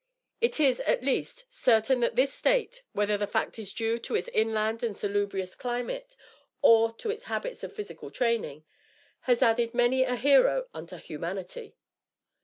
It is, at least, certain that this State, whether the fact is due to its inland and salubrious climate, or to its habits of physical training, has added many a Hero unto humanity.